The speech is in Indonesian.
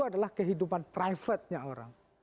adalah kehidupan private nya orang